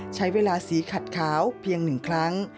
ใช้เวลาสีขัดขาวเพียง๑ครั้ง